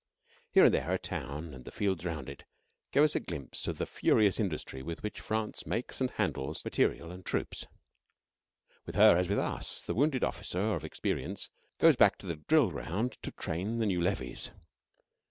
Here and there a town and the fields round it gave us a glimpse of the furious industry with which France makes and handles material and troops. With her, as with us, the wounded officer of experience goes back to the drill ground to train the new levies.